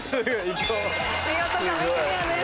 見事壁クリアです。